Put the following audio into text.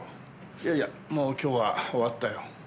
いやいやもう今日は終わったよ。